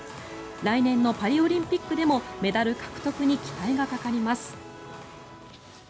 来年のパリオリンピックでもメダル獲得に期待がかかります。